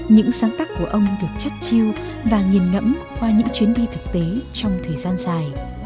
những sáng tác của ông được chất chiêu và nghiền ngẫm qua những chuyến đi thực tế trong thời gian dài